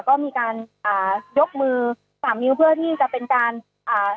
ก็มีการอ่ายกมือสามนิ้วเพื่อที่จะเป็นการอ่า